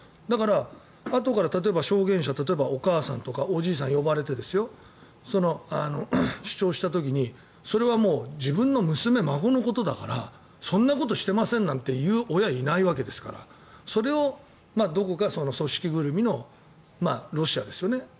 だから、あとから例えば証言者例えばお母さんとかおじいさんが呼ばれて主張した時に、それはもう自分の娘、孫のことだからそんなことしてませんなんて言う親、いないわけですからそれをどこか組織ぐるみのロシアですよね。